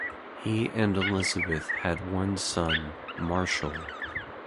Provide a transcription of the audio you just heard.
He and Elizabeth had one son, Marshal.